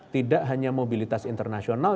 tidak hanya mobilitas internasional